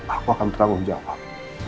aku akan bertanggung jawab